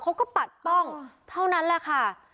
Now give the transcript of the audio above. ปัดป้องเท่านั้นแหละค่ะ